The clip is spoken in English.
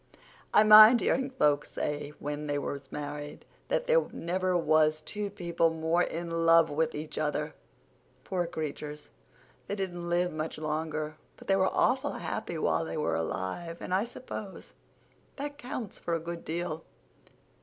I mind hearing folks say when they was married that there never was two people more in love with each other—Pore creatures, they didn't live much longer; but they was awful happy while they was alive, and I s'pose that counts for a good deal."